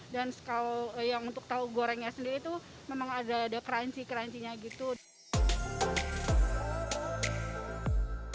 dan untuk tahu gorengnya sendiri itu memang ada kerensi kerensinya gitu